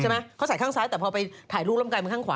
ใช่ไหมเขาใส่ข้างซ้ายแต่พอไปถ่ายรูปแล้วมันกลายเป็นข้างขวา